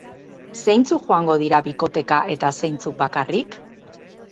Zeintzuk joango dira bikoteka eta zeintzuk bakarrik?